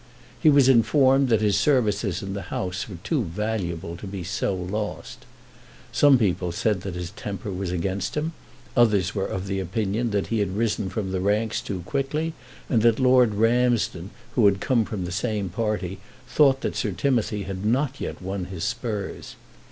He was informed that his services in the House were too valuable to be so lost. Some people said that his temper was against him. Others were of opinion that he had risen from the ranks too quickly, and that Lord Ramsden, who had come from the same party, thought that Sir Timothy had not yet won his spurs.